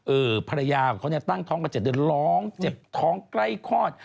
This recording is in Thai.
ภรรยาของเขาเนี่ยตั้งท้องมา๗เดือนร้องเจ็บท้องใกล้คลอด